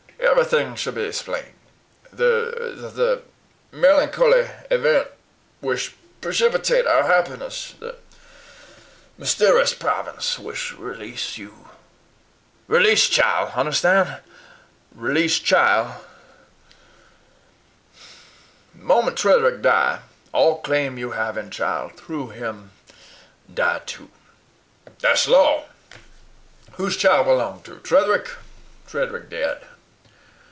"Everything shall be splained. The the the melencholly event wish preshipitate our happ'ness the myster'us prov'nice wish releash you releash chile! hunerstan? releash chile. The mom't Tretherick die all claim you have in chile through him die too. Thash law. Who's chile b'long to? Tretherick? Tretherick dead.